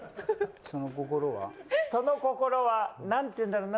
その心は何て言うんだろうな？